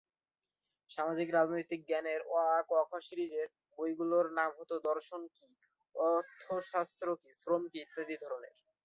সামাজিক-রাজনৈতিক জ্ঞানের অ-আ-ক-খ সিরিজের বইগুলোর নাম হতো "দর্শন কী", "অর্থশাস্ত্র কী", "শ্রম কী" ইত্যাদি ধরনের।